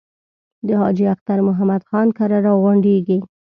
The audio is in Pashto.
د حاجي اختر محمد خان کره را غونډېږي.